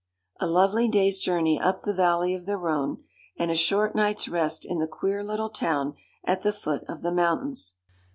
A lovely day's journey up the valley of the Rhone, and a short night's rest in the queer little town at the foot of the mountains.